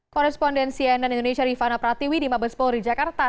korespondensi nn indonesia rifana pratiwi di mabes polri jakarta